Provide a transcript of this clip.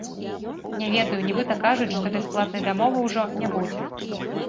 Не ведаю, нібыта кажуць, што бясплатнай дамовы ўжо не будзе.